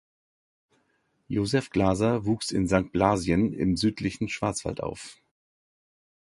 Josef Glaser wuchs in Sankt Blasien im südlichen Schwarzwald auf.